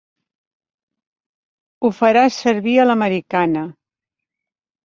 Ho faràs servir a l'americana.